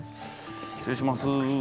失礼します。